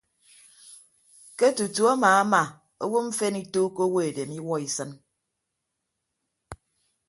Ke tutu amaama owo mfen ituukọ owo edem iwuọ isịn.